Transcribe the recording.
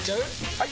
・はい！